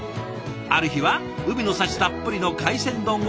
ある日は海の幸たっぷりの海鮮丼を。